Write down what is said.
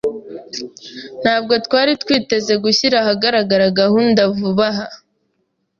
Ntabwo twari twiteze gushyira ahagaragara gahunda vuba aha.